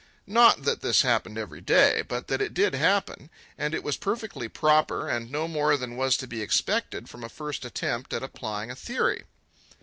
Not that this happened every day, but that it did happen. And it was perfectly proper and no more than was to be expected from a first attempt at applying a theory.